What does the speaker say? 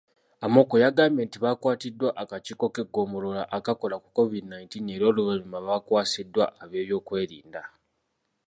Amoko, yagambye nti bano baakwatiddwa akakiiko k'eggombolola akakola ku COVID nineteen era oluvannyuma baakwasiddwa ab'ebyokwerinda.